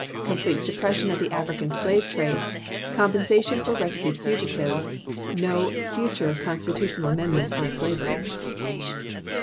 complete suppression of the African slave trade; com pensation for rescued fugitives ; no future constitutional amendments on slavery.